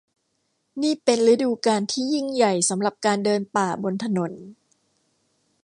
นี่เป็นฤดูกาลที่ยิ่งใหญ่สำหรับการเดินป่าบนถนน